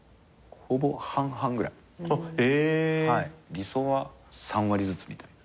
理想は３割ずつみたいな。